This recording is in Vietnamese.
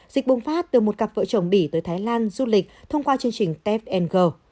dịch bùng phát từ một cặp vợ chồng bỉ tới thái lan du lịch thông qua chương trình tep ngo